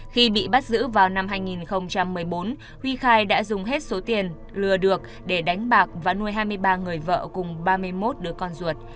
khi bị bắt giữ vào năm hai nghìn một mươi bốn huy khai đã dùng hết số tiền lừa được để đánh bạc và nuôi hai mươi ba người vợ cùng ba mươi một đứa con ruột